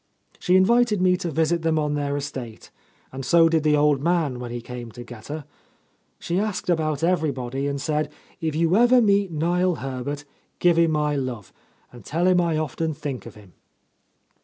She in vited me to visit them on their estate, and so ^id the old man, when he came to get her. She asked about everybody, and said, 'If you ever meet Niel Herbert, give him my love, and tell him I often — A Lost Lady think of him.